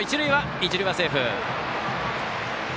一塁はセーフ。